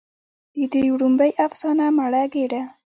د دوي وړومبۍ افسانه " مړه ګيډه